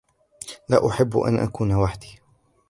لا أحب أن أكون وحدي.